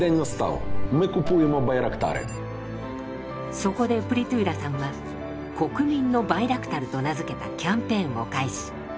そこでプリトゥーラさんは「国民のバイラクタル」と名付けたキャンペーンを開始。